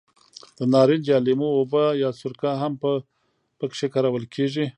د نارنج یا لیمو اوبه یا سرکه هم په کې کارول کېږي.